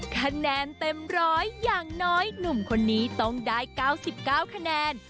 คะแนนเต็มร้อยอย่างน้อยหนุ่มคนนี้ต้องได้๙๙คะแนน